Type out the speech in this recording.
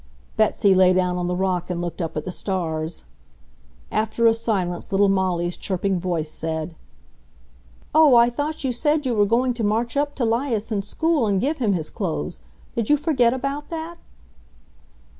Betsy lay down on the rock and looked up at the stars. After a silence little Molly's chirping voice said, "Oh, I thought you said we were going to march up to 'Lias in school and give him his clothes. Did you forget about that?"